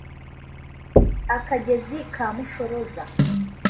‘Akagezi ka Mushoroza’